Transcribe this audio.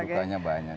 ada suka dukanya banyak